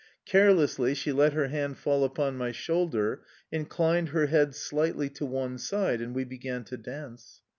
Carelessly she let her hand fall upon my shoulder, inclined her head slightly to one side, and we began to dance.